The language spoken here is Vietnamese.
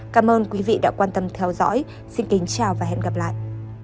cảm ơn quý vị đã quan tâm theo dõi xin kính chào và hẹn gặp lại